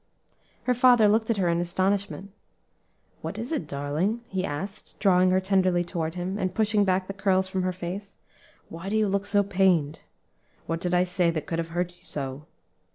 Her father looked at her in astonishment. "What is it, darling?" he asked, drawing her tenderly toward him, and pushing back the curls from her face; "why do you look so pained? what did I say that could have hurt you so?